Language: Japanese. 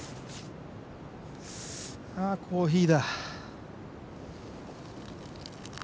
さあコーヒーだ。